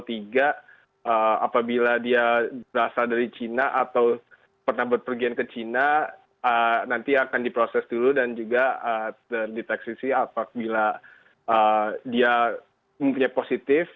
jadi kalau ada yang berasal dari china atau pernah berpergian ke china nanti akan diproses dulu dan juga terdeteksi apabila dia positif